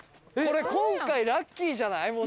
これ今回ラッキーじゃない？